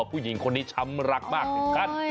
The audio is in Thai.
ผู้หญิงคนนี้ช้ำรักมากเหมือนกัน